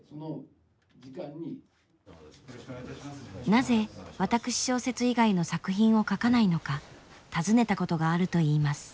なぜ私小説以外の作品を書かないのか尋ねたことがあるといいます。